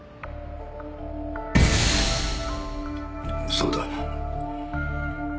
そうだ。